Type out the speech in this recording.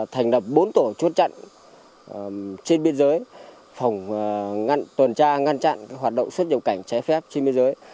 thành lập bốn tổ chuốt trận trên biên giới phòng tuần tra ngăn chặn hoạt động xuất nhập cảnh trái phép trên biên giới